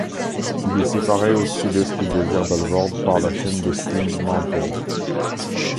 Il est séparé au sud-est du désert d'Alvord par la chaine de Steens Mountain.